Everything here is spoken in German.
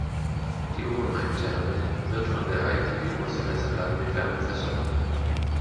Die Obermain Therme wird von der eigenen Biomasse-Heizanlage mit Wärme versorgt.